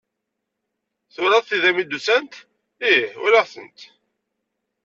Twalaḍ tida mi d-usant? Ih walaɣ-tent.